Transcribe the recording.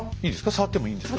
触ってもいいんですか？